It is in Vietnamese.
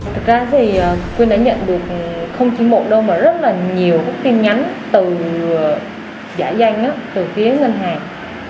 thực ra thì quyên đã nhận được không chỉ một đô mà rất là nhiều tin nhắn từ giả danh từ phía ngân hàng